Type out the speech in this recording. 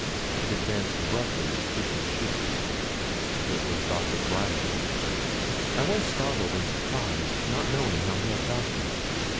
It advanced abruptly, with creaking shoes; it was Doctor Bryerly. I was startled and surprised, not knowing how he had got there.